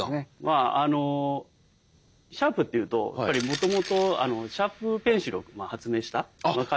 まあシャープっていうとやはりもともとシャープペンシルを発明した会社なんですね。